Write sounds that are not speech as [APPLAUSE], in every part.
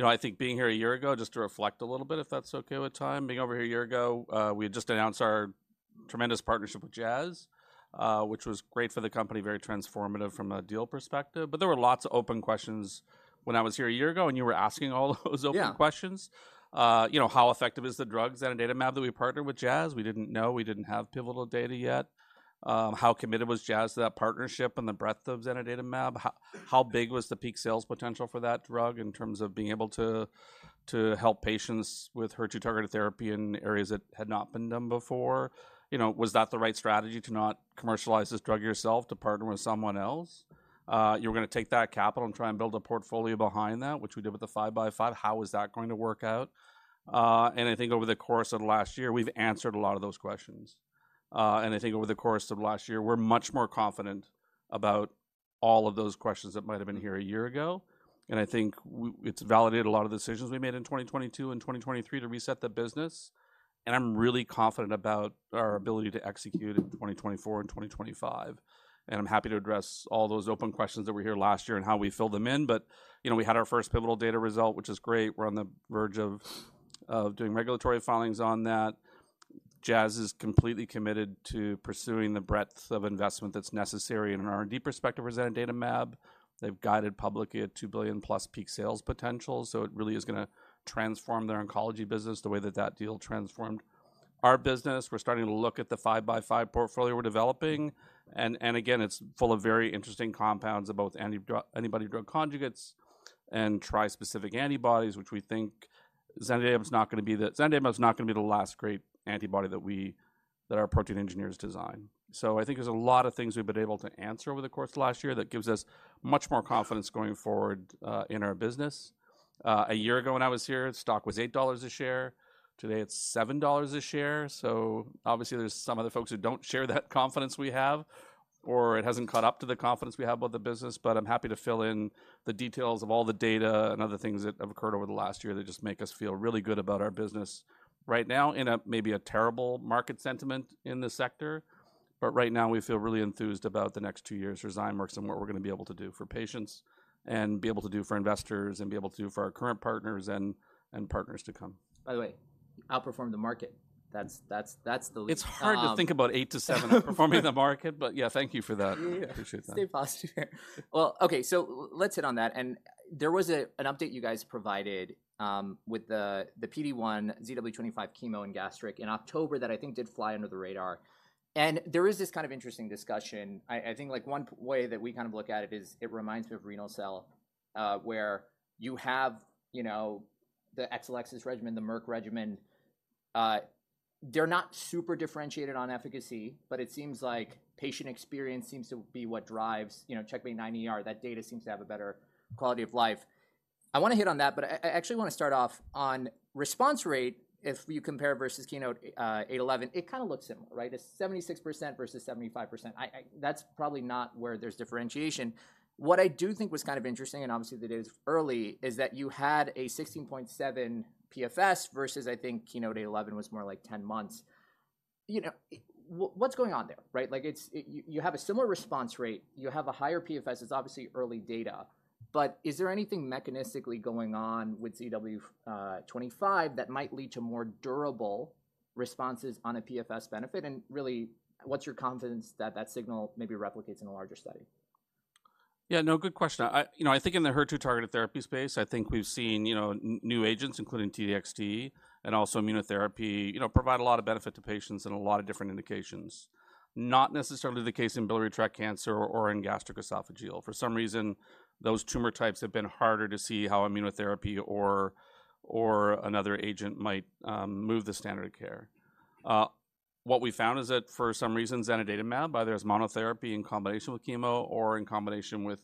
You know, I think being here a year ago, just to reflect a little bit, if that's okay with time. Being over here a year ago, we had just announced our tremendous partnership with Jazz, which was great for the company, very transformative from a deal perspective. But there were lots of open questions when I was here a year ago, and you were asking all those open questions. Yeah. You know, how effective is the drug zanidatamab that we partnered with Jazz? We didn't know. We didn't have pivotal data yet. How committed was Jazz to that partnership and the breadth of zanidatamab? How big was the peak sales potential for that drug in terms of being able to, to help patients with HER2-targeted therapy in areas that had not been done before? You know, was that the right strategy to not commercialize this drug yourself, to partner with someone else? You were gonna take that capital and try and build a portfolio behind that, which we did with the 5 by 5. How is that going to work out? And I think over the course of last year, we've answered a lot of those questions. I think over the course of last year, we're much more confident about all of those questions that might have been here a year ago, and I think it's validated a lot of decisions we made in 2022 and 2023 to reset the business. And I'm really confident about our ability to execute in 2024 and 2025, and I'm happy to address all those open questions that were here last year and how we filled them in. But, you know, we had our first pivotal data result, which is great. We're on the verge of doing regulatory filings on that. Jazz is completely committed to pursuing the breadth of investment that's necessary in an R&D perspective for zanidatamab. They've guided publicly at +$2 billion peak sales potential, so it really is gonna transform their oncology business, the way that that deal transformed our business. We're starting to look at the 5 by 5 portfolio we're developing, and again, it's full of very interesting compounds of both antibody-drug conjugates and trispecific antibodies, which we think zanidatamab is not gonna be the last great antibody that our protein engineers design. So I think there's a lot of things we've been able to answer over the course of last year that gives us much more confidence going forward in our business. A year ago, when I was here, the stock was $8 a share. Today, it's $7 a share, so obviously there's some other folks who don't share that confidence we have, or it hasn't caught up to the confidence we have about the business. But I'm happy to fill in the details of all the data and other things that have occurred over the last year that just make us feel really good about our business. Right now, in a maybe terrible market sentiment in the sector, but right now, we feel really enthused about the next two years for Zymeworks and what we're gonna be able to do for patients, and be able to do for investors, and be able to do for our current partners and partners to come. By the way, outperform the market, that's the- It's hard to think about $8-$7 outperforming the market, but yeah, thank you for that. Yeah. Appreciate that. Stay positive. Well, okay, so let's hit on that, and there was a, an update you guys provided, with the, the PD-1 ZW25 chemo and gastric in October that I think did fly under the radar. And there is this kind of interesting discussion. I, I think, like, one way that we kind of look at it is it reminds me of renal cell, where you have, you know, the Exelixis regimen, the Merck regimen. They're not super differentiated on efficacy, but it seems like patient experience seems to be what drives, you know, CheckMate-9ER, that data seems to have a better quality of life. I wanna hit on that, but I, I actually wanna start off on response rate. If you compare versus KEYNOTE-811, it kinda looks similar, right? It's 76% versus 75%. That's probably not where there's differentiation. What I do think was kind of interesting, and obviously it is early, is that you had a 16.7 months PFS versus, I think, KEYNOTE-811 was more like 10.0 months. You know, what's going on there, right? Like, it's you have a similar response rate, you have a higher PFS. It's obviously early data, but is there anything mechanistically going on with ZW25 that might lead to more durable responses on a PFS benefit? And really, what's your confidence that that signal maybe replicates in a larger study? Yeah, no, good question. You know, I think in the HER2-targeted therapy space, I think we've seen, you know, new agents, including T-DXd and also immunotherapy, you know, provide a lot of benefit to patients in a lot of different indications. Not necessarily the case in biliary tract cancer or in gastroesophageal. For some reason, those tumor types have been harder to see how immunotherapy or another agent might move the standard of care. What we found is that for some reason, zanidatamab, either as monotherapy in combination with chemo or in combination with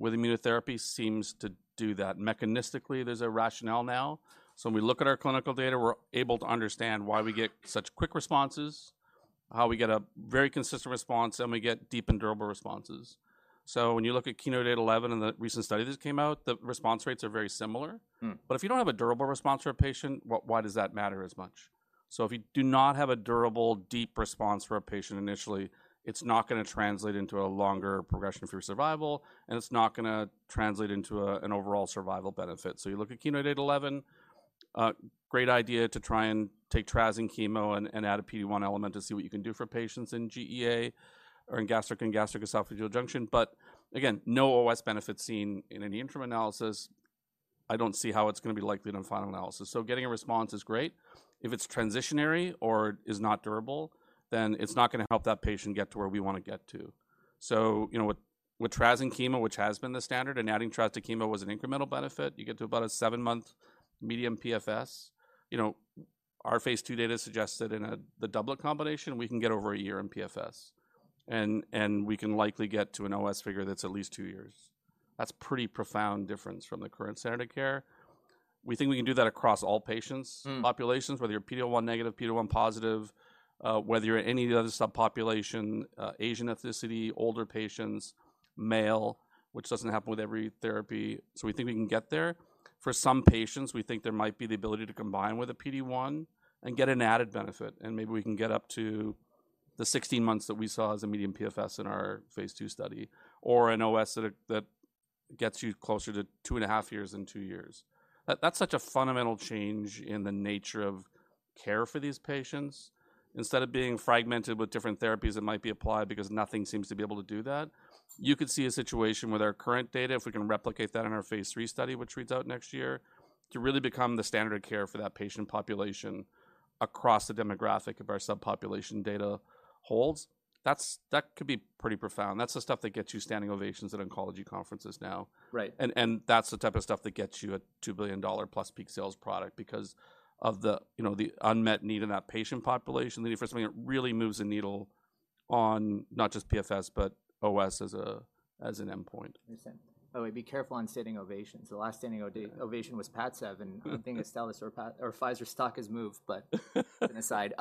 immunotherapy, seems to do that. Mechanistically, there's a rationale now, so when we look at our clinical data, we're able to understand why we get such quick responses, how we get a very consistent response, and we get deep and durable responses. When you look at KEYNOTE-811 and the recent study that just came out, the response rates are very similar. Mm. But if you don't have a durable response for a patient, why, why does that matter as much? So if you do not have a durable, deep response for a patient initially, it's not gonna translate into a longer progression-free survival, and it's not gonna translate into a, an overall survival benefit. So you look at KEYNOTE-811, a great idea to try and take trastuzumab chemo and, and add a PD-1 element to see what you can do for patients in GEA or in gastric and gastroesophageal junction. But again, no OS benefit seen in any interim analysis. I don't see how it's gonna be likely in a final analysis. So getting a response is great. If it's transitionary or is not durable, then it's not gonna help that patient get to where we wanna get to. You know, with trastuzumab chemo, which has been the standard, and adding trastuzumab to chemo was an incremental benefit, you get to about a seven-month median PFS. You know, our phase II data suggests that in the doublet combination, we can get over a year in PFS, and we can likely get to an OS figure that's at least two years. That's a pretty profound difference from the current standard of care. We think we can do that across all patients- Mm... populations, whether you're PD-L1 negative, PD-L1 positive, whether you're in any of the other subpopulation, Asian ethnicity, older patients, male, which doesn't happen with every therapy. So we think we can get there. For some patients, we think there might be the ability to combine with a PD-1 and get an added benefit, and maybe we can get up to the 16 months that we saw as a median PFS in our phase II study, or an OS that gets you closer to 2.5 years than two years. That, that's such a fundamental change in the nature of care for these patients. Instead of being fragmented with different therapies that might be applied because nothing seems to be able to do that, you could see a situation with our current data, if we can replicate that in our phase III study, which reads out next year, to really become the standard of care for that patient population across the demographic if our subpopulation data holds. That's. That could be pretty profound. That's the stuff that gets you standing ovations at oncology conferences now. Right. That's the type of stuff that gets you a +$2 billion peak sales product, because of the, you know, the unmet need in that patient population, that if something that really moves the needle on not just PFS, but OS as a, as an endpoint. Understand. By the way, be careful on standing ovations. The last standing ovation was Padcev, and I don't think Astellas or Pfizer stock has moved, but... an aside.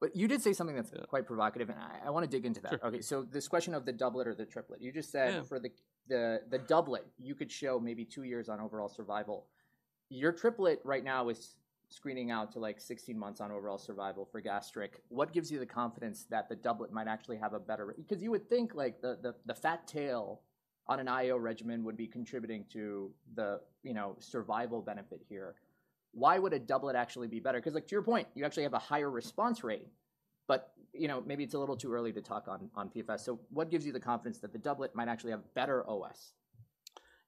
But you did say something that's quite provocative, and I wanna dig into that. Sure. Okay, so this question of the doublet or the triplet. Yeah. You just said for the doublet, you could show maybe two years on overall survival. Your triplet right now is screening out to, like, 16 months on overall survival for gastric. What gives you the confidence that the doublet might actually have a better... Because you would think, like, the fat tail on an IO regimen would be contributing to the, you know, survival benefit here. Why would a doublet actually be better? 'Cause, like, to your point, you actually have a higher response rate, but, you know, maybe it's a little too early to talk on PFS. So what gives you the confidence that the doublet might actually have better OS?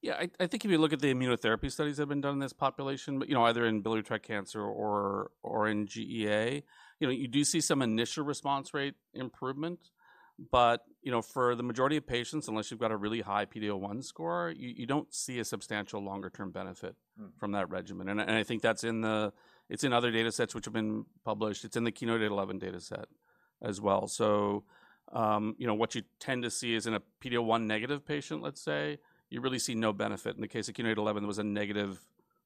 Yeah, I think if you look at the immunotherapy studies that have been done in this population, but, you know, either in biliary tract cancer or in GEA, you know, you do see some initial response rate improvement. But, you know, for the majority of patients, unless you've got a really high PD-L1 score, you don't see a substantial longer term benefit- Hmm... from that regimen. And I think that's in the, it's in other data sets which have been published. It's in the KEYNOTE-811 data set as well. So, you know, what you tend to see is in a PD-L1 negative patient, let's say, you really see no benefit. In the case of KEYNOTE-811, there was a negative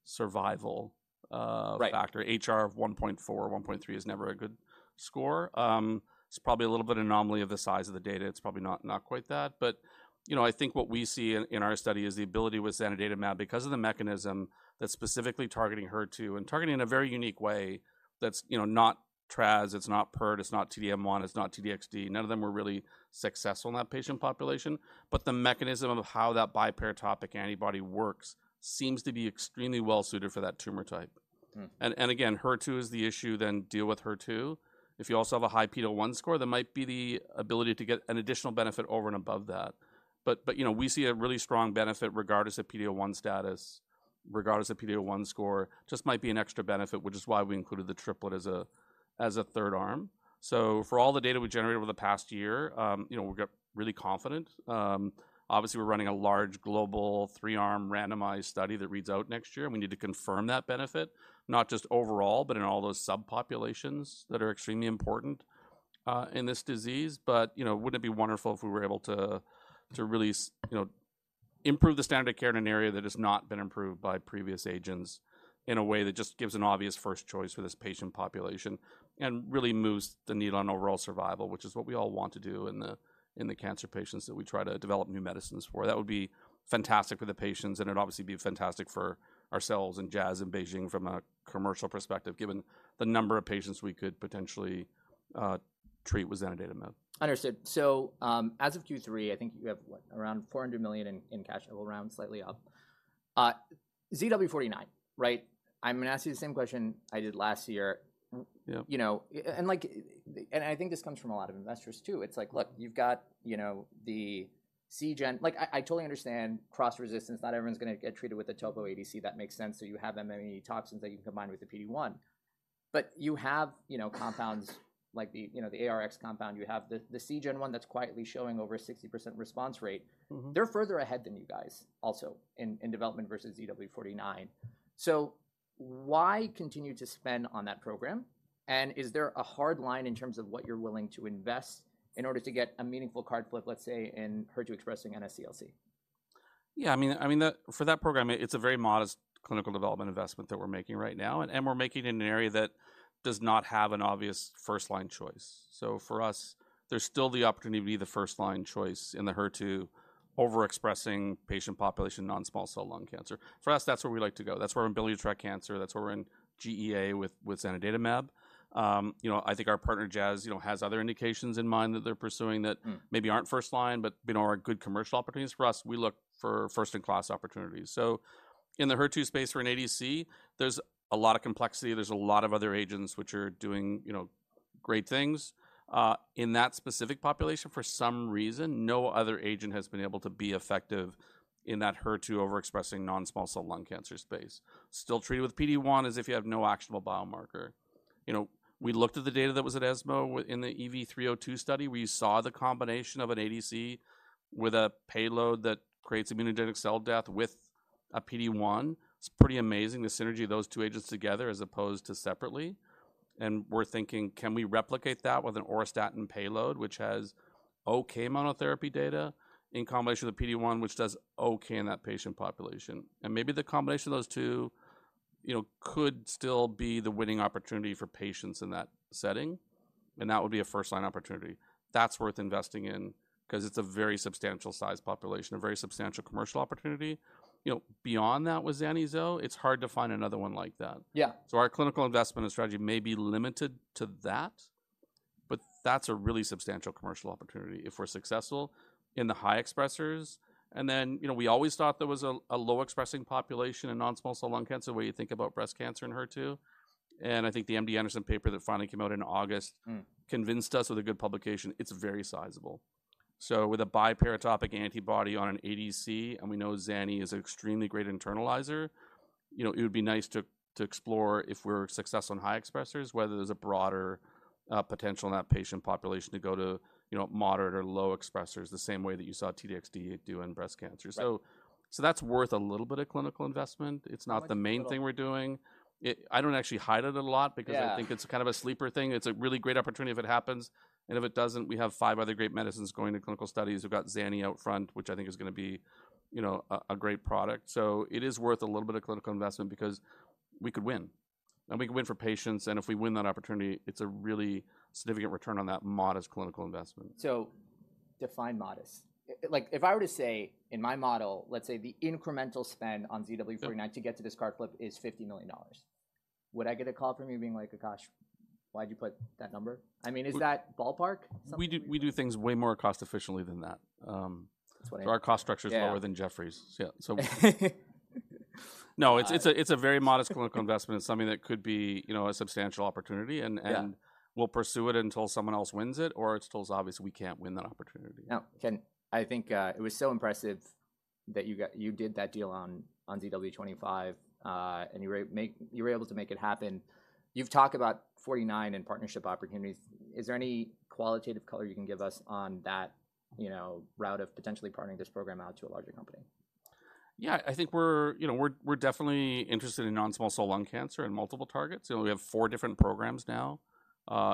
survival. Right... factor. HR of 1.4, 1.3 is never a good score. It's probably a little bit anomaly of the size of the data. It's probably not quite that. But, you know, I think what we see in, in our study is the ability with zanidatamab, because of the mechanism that's specifically targeting HER2, and targeting in a very unique way that's, you know, not Traz, it's not Pert, it's not T-DM1, it's not T-DXd. None of them were really successful in that patient population. But the mechanism of how that biparatopic antibody works seems to be extremely well suited for that tumor type. Hmm. And again, HER2 is the issue, then deal with HER2. If you also have a high PD-L1 score, that might be the ability to get an additional benefit over and above that. But you know, we see a really strong benefit regardless of PD-L1 status, regardless of PD-L1 score. Just might be an extra benefit, which is why we included the triplet as a third arm. So for all the data we generated over the past year, you know, we've got really confident. Obviously, we're running a large, global, three-arm randomized study that reads out next year, and we need to confirm that benefit, not just overall, but in all those subpopulations that are extremely important in this disease. But, you know, wouldn't it be wonderful if we were able to, to really you know, improve the standard of care in an area that has not been improved by previous agents, in a way that just gives an obvious first choice for this patient population, and really moves the needle on overall survival, which is what we all want to do in the, in the cancer patients that we try to develop new medicines for? That would be fantastic for the patients, and it'd obviously be fantastic for ourselves and Jazz in BeiGene from a commercial perspective, given the number of patients we could potentially treat with zanidatamab. Understood. So, as of Q3, I think you have, what? Around $400 million in cash, it will round slightly up. ZW49, right? I'm gonna ask you the same question I did last year. Yeah. You know, and I think this comes from a lot of investors, too. It's like, look, you've got, you know, the Seagen... Like, I totally understand cross resistance, not everyone's gonna get treated with a topo ADC, that makes sense, so you have MMAE toxins that you can combine with the PD-1. But you have, you know, compounds like the, you know, the ARX compound, you have the, the Seagen one that's quietly showing over 60% response rate. Mm-hmm. They're further ahead than you guys also in development versus ZW49. So why continue to spend on that program? And is there a hard line in terms of what you're willing to invest in order to get a meaningful card flip, let's say, in HER2 expressing NSCLC? Yeah, I mean, for that program, it's a very modest clinical development investment that we're making right now, and we're making it in an area that does not have an obvious first-line choice. So for us, there's still the opportunity to be the first-line choice in the HER2 overexpressing patient population, non-small cell lung cancer. For us, that's where we like to go. That's where we're in biliary tract cancer, that's where we're in GEA with zanidatamab. You know, I think our partner, Jazz, you know, has other indications in mind that they're pursuing- Hmm... that maybe aren't first line, but, you know, are good commercial opportunities for us. We look for first-in-class opportunities. So in the HER2 space for an ADC, there's a lot of complexity, there's a lot of other agents which are doing, you know, great things. In that specific population, for some reason, no other agent has been able to be effective in that HER2 overexpressing non-small cell lung cancer space. Still treated with PD-1 as if you have no actionable biomarker. You know, we looked at the data that was at ESMO in the EV-302 study, we saw the combination of an ADC with a payload that creates immunogenic cell death with a PD-1. It's pretty amazing, the synergy of those two agents together, as opposed to separately. And we're thinking, can we replicate that with an auristatin payload, which has okay monotherapy data, in combination with a PD-1, which does okay in that patient population? And maybe the combination of those two, you know, could still be the winning opportunity for patients in that setting, and that would be a first-line opportunity. That's worth investing in 'cause it's a very substantial size population, a very substantial commercial opportunity. You know, beyond that with, [INAUDIBLE] it's hard to find another one like that. Yeah. So our clinical investment and strategy may be limited to that, but that's a really substantial commercial opportunity if we're successful in the high expressers. And then, you know, we always thought there was a low-expressing population in non-small cell lung cancer, the way you think about breast cancer and HER2. And I think the MD Anderson paper that finally came out in August- Mm. convinced us with a good publication, it's very sizable. So with a biparatopic antibody on an ADC, and we know zanidatamab is an extremely great internalizer, you know, it would be nice to explore, if we're successful on high expressers, whether there's a broader potential in that patient population to go to, you know, moderate or low expressers, the same way that you saw T-DXd do in breast cancer. Right. So, that's worth a little bit of clinical investment. It's not the main thing we're doing. It. I don't actually hide it a lot- Yeah... because I think it's kind of a sleeper thing. It's a really great opportunity if it happens, and if it doesn't, we have five other great medicines going to clinical studies. We've got Zani out front, which I think is gonna be, you know, a great product. So it is worth a little bit of clinical investment because we could win, and we could win for patients, and if we win that opportunity, it's a really significant return on that modest clinical investment. So define modest. Like, if I were to say, in my model, let's say the incremental spend on ZW49 to get to this card flip is $50 million, would I get a call from you being like, "Akash, why'd you put that number?" I mean, is that ballpark somewhere? We do, we do things way more cost efficiently than that. That's what I... Our cost structure is- Yeah... lower than Jefferies. Yeah, so- No, it's a, it's a very modest clinical investment. It's something that could be, you know, a substantial opportunity, and, and- Yeah... we'll pursue it until someone else wins it, or until it's obvious we can't win that opportunity. Now, Ken, I think it was so impressive that you did that deal on, on ZW25, and you were able to make it happen. You've talked about ZW49 in partnership opportunities. Is there any qualitative color you can give us on that, you know, route of potentially partnering this program out to a larger company? Yeah, I think we're, you know, we're, we're definitely interested in non-small cell lung cancer in multiple targets. You know, we have four different programs now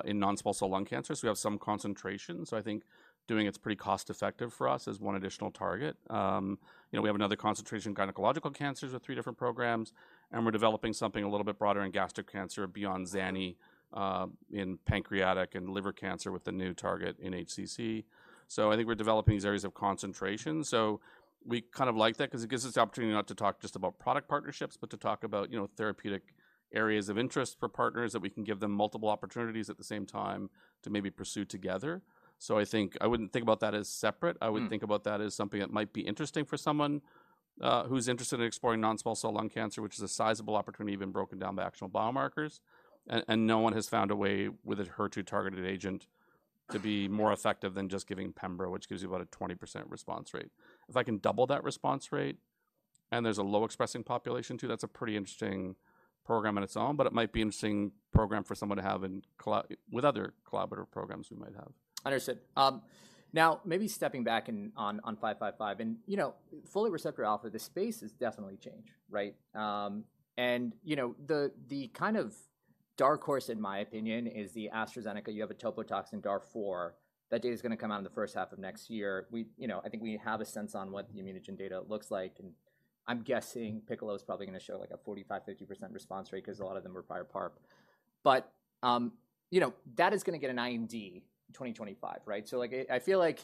in non-small cell lung cancer, so we have some concentration. So I think doing it's pretty cost effective for us as one additional target. You know, we have another concentration in gynecological cancers with three different programs, and we're developing something a little bit broader in gastric cancer beyond Zani in pancreatic and liver cancer with the new target in HCC. So I think we're developing these areas of concentration. So we kind of like that 'cause it gives us the opportunity not to talk just about product partnerships, but to talk about, you know, therapeutic areas of interest for partners, that we can give them multiple opportunities at the same time to maybe pursue together. So I think I wouldn't think about that as separate. Mm. I would think about that as something that might be interesting for someone who's interested in exploring non-small cell lung cancer, which is a sizable opportunity, even broken down by actual biomarkers. And no one has found a way with a HER2-targeted agent to be more effective than just giving Pembro, which gives you about a 20% response rate. If I can double that response rate, and there's a low-expressing population, too, that's a pretty interesting program on its own, but it might be an interesting program for someone to have in colla- with other collaborative programs we might have. Understood. Now, maybe stepping back and on 5 by 5, you know, folate receptor alpha, the space has definitely changed, right? And, you know, the kind of dark horse, in my opinion, is AstraZeneca. You have a topotecan DAR4. That data's gonna come out in the first half of next year. We, you know, I think we have a sense on what the ImmunoGen data looks like, and I'm guessing PICCOLO is probably gonna show, like, a 45%-50% response rate 'cause a lot of them are prior PARP. But, you know, that is gonna get an IND in 2025, right? So, like, I feel like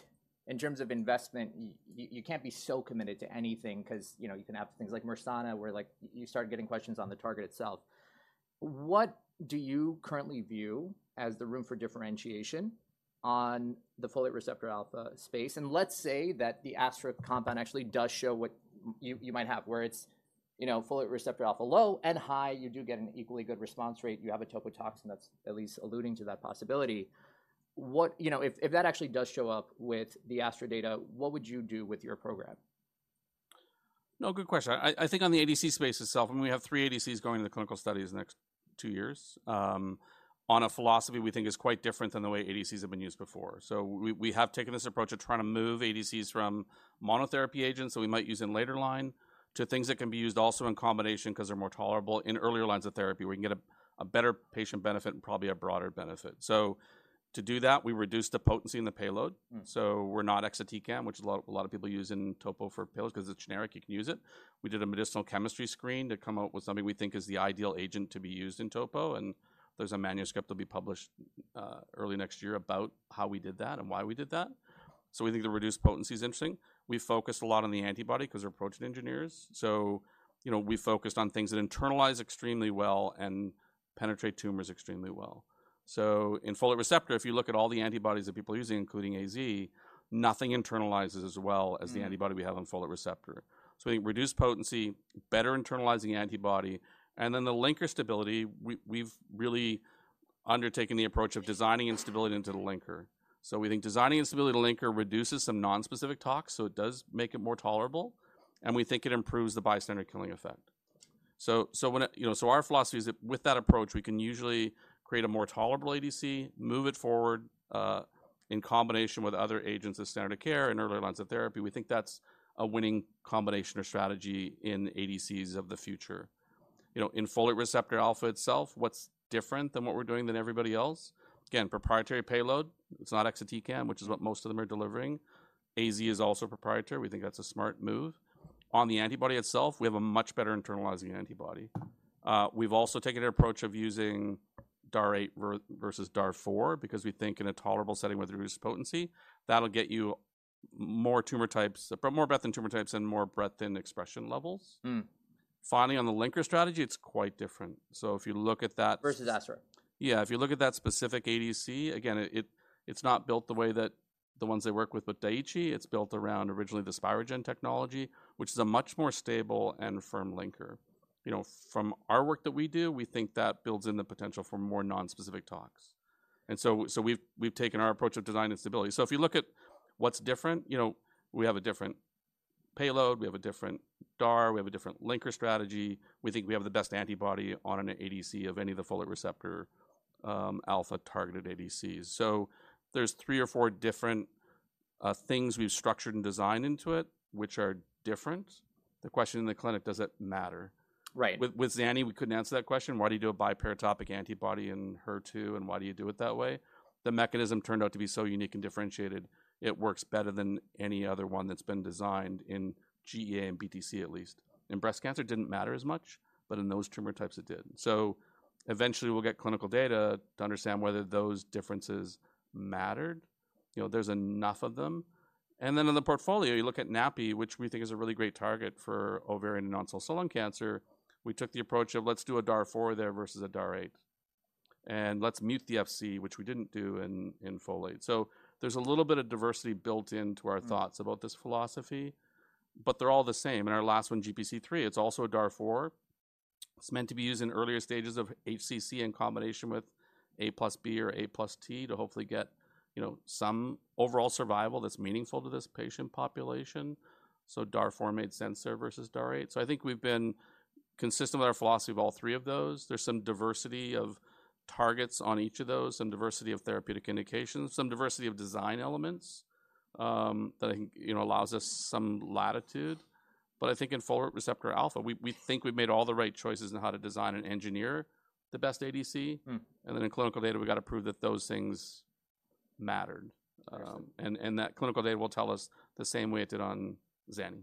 in terms of investment, you can't be so committed to anything, 'cause, you know, you can have things like Mersana, where, like, you start getting questions on the target itself. What do you currently view as the room for differentiation on the folate receptor alpha space? And let's say that the Astra compound actually does show what you might have, where it's, you know, folate receptor alpha low and high, you do get an equally good response rate. You have a topotecan that's at least alluding to that possibility. You know, if that actually does show up with the Astra data, what would you do with your program? No, good question. I think on the ADC space itself, and we have three ADCs going to the clinical studies in the next two years, on a philosophy we think is quite different than the way ADCs have been used before. So we have taken this approach of trying to move ADCs from monotherapy agents that we might use in later line, to things that can be used also in combination, 'cause they're more tolerable in earlier lines of therapy, where we can get a better patient benefit and probably a broader benefit. So to do that, we reduced the potency in the payload. Mm. So we're not exatecan, which a lot, a lot of people use in topo for payloads. 'Cause it's generic, you can use it. We did a medicinal chemistry screen to come out with something we think is the ideal agent to be used in topo, and there's a manuscript that'll be published early next year about how we did that and why we did that. So we think the reduced potency is interesting. We focused a lot on the antibody, 'cause we're approaching engineers. So, you know, we focused on things that internalize extremely well and penetrate tumors extremely well. So in folate receptor, if you look at all the antibodies that people are using, including AZ, nothing internalizes as well- Mm -as the antibody we have on folate receptor. So we think reduced potency, better internalizing antibody, and then the linker stability, we, we've really undertaken the approach of designing in stability into the linker. So we think designing in stability into the linker reduces some non-specific tox, so it does make it more tolerable, and we think it improves the bystander killing effect. You know, so our philosophy is that with that approach, we can usually create a more tolerable ADC, move it forward, in combination with other agents of standard care in earlier lines of therapy. We think that's a winning combination or strategy in ADCs of the future. You know, in folate receptor alpha itself, what's different than what we're doing than everybody else? Again, proprietary payload. It's not exatecan, which is what most of them are delivering. AZ is also proprietary. We think that's a smart move. On the antibody itself, we have a much better internalizing antibody. We've also taken an approach of using DAR8 versus DAR4, because we think in a tolerable setting with reduced potency, that'll get you more tumor types, but more breadth in tumor types and more breadth in expression levels. Hmm. Finally, on the linker strategy, it's quite different. So if you look at that- Versus Astra? Yeah, if you look at that specific ADC, again, it's not built the way that the ones they work with, with Daiichi. It's built around originally the Spirogen technology, which is a much more stable and firm linker. You know, from our work that we do, we think that builds in the potential for more non-specific toxins. And so we've taken our approach of design and stability. So if you look at what's different, you know, we have a different payload, we have a different DAR, we have a different linker strategy. We think we have the best antibody on an ADC of any of the folate receptor alpha-targeted ADCs. So there's three or four different things we've structured and designed into it, which are different. The question in the clinic: does it matter? Right. With Zani, we couldn't answer that question. Why do you do a biparatopic antibody in HER2, and why do you do it that way? The mechanism turned out to be so unique and differentiated, it works better than any other one that's been designed in GEA and BTC, at least. In breast cancer, it didn't matter as much, but in those tumor types, it did. So eventually, we'll get clinical data to understand whether those differences mattered. You know, there's enough of them. And then in the portfolio, you look at NaPi2b, which we think is a really great target for ovarian and non-small cell lung cancer. We took the approach of let's do a DAR4 there versus a DAR8, and let's mute the Fc, which we didn't do in folate. So there's a little bit of diversity built into our- Hmm... thoughts about this philosophy, but they're all the same. And our last one, GPC3, it's also a DAR4. It's meant to be used in earlier stages of HCC in combination with A plus B or A plus T to hopefully get, you know, some overall survival that's meaningful to this patient population, so DAR4 made sense there versus DAR8. So I think we've been consistent with our philosophy of all three of those. There's some diversity of targets on each of those, some diversity of therapeutic indications, some diversity of design elements that I think, you know, allows us some latitude. But I think in folate receptor alpha, we think we've made all the right choices on how to design and engineer the best ADC. Hmm. In clinical data, we've got to prove that those things mattered. Understood. That clinical data will tell us the same way it did on Zani.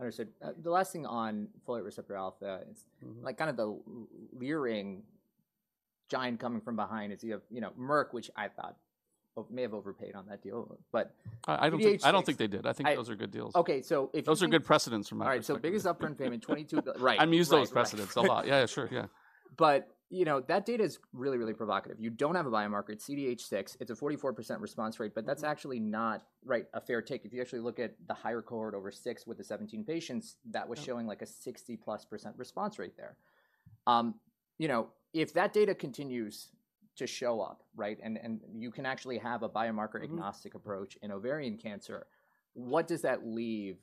Understood. The last thing on folate receptor alpha is- Mm-hmm... like, kind of the lurking giant coming from behind is you have, you know, Merck, which I thought, oh, may have overpaid on that deal, but- I don't think- CDH- I don't think they did. I- I think those are good deals. Okay, so if you- Those are good precedents from my perspective. All right, so biggest upfront payment, $22 billion. Right. I'm using those precedents a lot. Yeah, sure. Yeah. But, you know, that data is really, really provocative. You don't have a biomarker at CDH6. It's a 44% response rate, but that's actually not, right, a fair take. If you actually look at the higher cohort over six with the 17 patients, that was showing like a +60% response rate there. You know, if that data continues to show up, right, and, and you can actually have a biomarker- Mm-hmm... agnostic approach in ovarian cancer, what does that leave,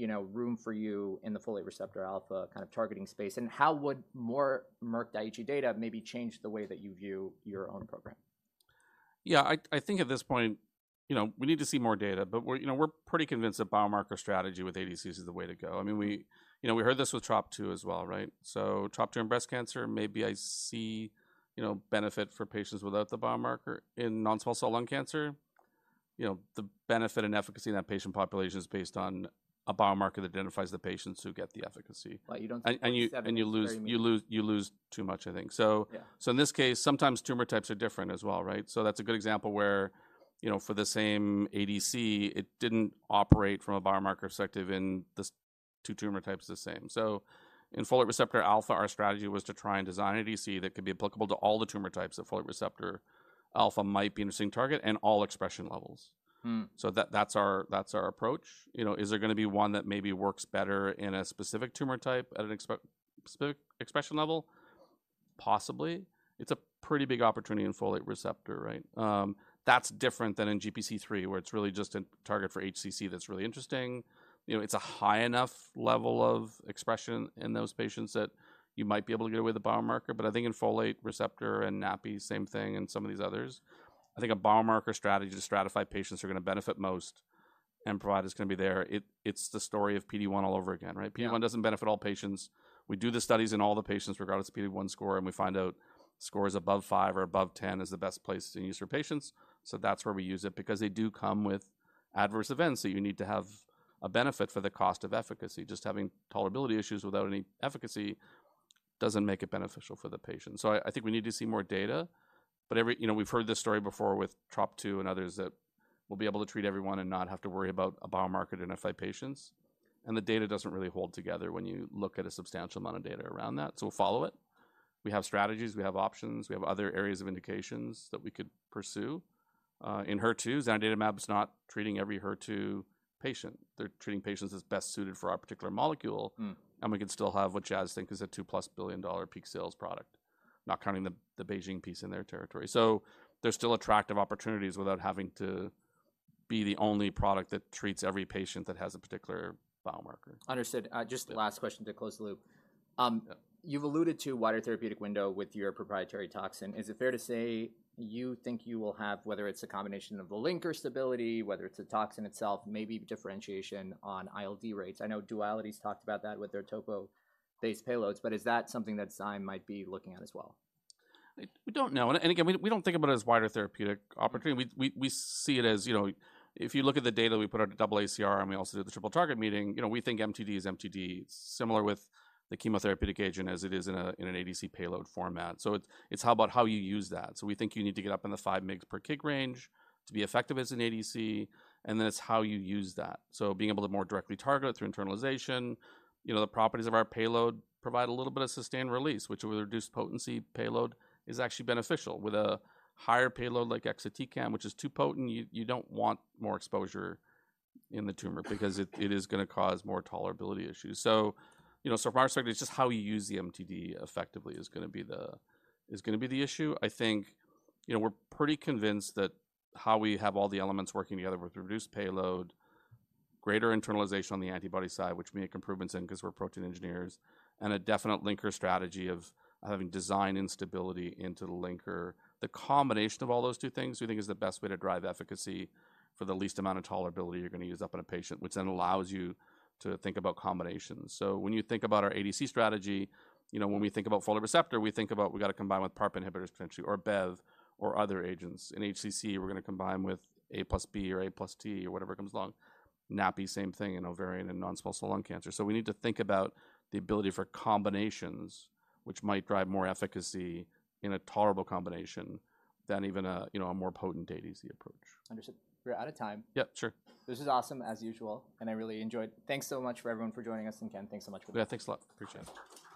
you know, room for you in the folate receptor alpha kind of targeting space? And how would more Merck-Daiichi data maybe change the way that you view your own program? Yeah, I think at this point, you know, we need to see more data, but we're, you know, we're pretty convinced that biomarker strategy with ADCs is the way to go. I mean, we... You know, we heard this with Trop-2 as well, right? So Trop-2 in breast cancer, maybe I see, you know, benefit for patients without the biomarker. In non-small cell lung cancer, you know, the benefit and efficacy in that patient population is based on a biomarker that identifies the patients who get the efficacy. But you don't think- And you lose- Very- You lose, you lose too much, I think so. Yeah. So in this case, sometimes tumor types are different as well, right? So that's a good example where, you know, for the same ADC, it didn't operate from a biomarker perspective in these two tumor types the same. So in folate receptor alpha, our strategy was to try and design an ADC that could be applicable to all the tumor types where folate receptor alpha might be an interesting target and all expression levels. Hmm. So that, that's our, that's our approach. You know, is there gonna be one that maybe works better in a specific tumor type at a specific expression level? Possibly. It's a pretty big opportunity in folate receptor, right? That's different than in GPC3, where it's really just a target for HCC that's really interesting. You know, it's a high enough level of expression in those patients that you might be able to get away with a biomarker. But I think in folate receptor and NaPi, same thing, and some of these others. I think a biomarker strategy to stratify patients are gonna benefit most and providers can be there. It, it's the story of PD-1 all over again, right? Yeah. PD-1 doesn't benefit all patients. We do the studies in all the patients, regardless of PD-1 score, and we find out scores above five or above 10 is the best place to use for patients. So that's where we use it, because they do come with adverse events, so you need to have a benefit for the cost of efficacy. Just having tolerability issues without any efficacy doesn't make it beneficial for the patient. So I think we need to see more data, but every... You know, we've heard this story before with Trop-2 and others, that we'll be able to treat everyone and not have to worry about a biomarker to identify patients. And the data doesn't really hold together when you look at a substantial amount of data around that. So we'll follow it. We have strategies, we have options, we have other areas of indications that we could pursue. In HER2, zanidatamab is not treating every HER2 patient. They're treating patients that's best suited for our particular molecule. Hmm. And we can still have what Jazz thinks is a +$2 billion peak sales product, not counting the BeiGene piece in their territory. So there's still attractive opportunities without having to be the only product that treats every patient that has a particular biomarker. Understood. Just the last question to close the loop. You've alluded to wider therapeutic window with your proprietary toxin. Is it fair to say you think you will have, whether it's a combination of the linker stability, whether it's the toxin itself, maybe differentiation on ILD rates? I know Duality's talked about that with their topo-based payloads, but is that something that Zyme might be looking at as well? We don't know, and again, we don't think about it as wider therapeutic opportunity. We see it as, you know, if you look at the data we put out at AACR, and we also did the triple target meeting, you know, we think MTD is MTD, similar with the chemotherapeutic agent as it is in an ADC payload format. So it's how you use that. So we think you need to get up in the 5 mg per kg range to be effective as an ADC, and then it's how you use that. So being able to more directly target it through internalization, you know, the properties of our payload provide a little bit of sustained release, which with a reduced potency payload, is actually beneficial. With a higher payload like exatecan, which is too potent, you don't want more exposure in the tumor because it is gonna cause more tolerability issues. So, you know, so from our perspective, it's just how you use the MTD effectively is gonna be the issue. I think, you know, we're pretty convinced that how we have all the elements working together with reduced payload, greater internalization on the antibody side, which we make improvements in because we're protein engineers, and a definite linker strategy of having design and stability into the linker. The combination of all those two things we think is the best way to drive efficacy for the least amount of tolerability you're gonna use up in a patient, which then allows you to think about combinations. So when you think about our ADC strategy, you know, when we think about folate receptor, we think about we've got to combine with PARP inhibitors potentially, or Bev, or other agents. In HCC, we're gonna combine with A plus B or A plus T or whatever comes along. NaPi, same thing in ovarian and non-small cell lung cancer. So we need to think about the ability for combinations, which might drive more efficacy in a tolerable combination than even a, you know, a more potent ADC approach. Understood. We're out of time. Yeah, sure. This is awesome, as usual, and I really enjoyed. Thanks so much for everyone for joining us, and Ken, thanks so much for that. Yeah, thanks a lot. Appreciate it.